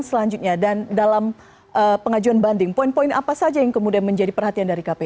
selanjutnya dan dalam pengajuan banding poin poin apa saja yang kemudian menjadi perhatian dari kpu